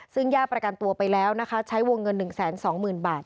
ซึ่งญาติประกันตัวไปแล้วนะคะใช้วงเงิน๑๒๐๐๐บาท